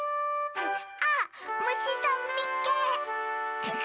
あっむしさんみっけ！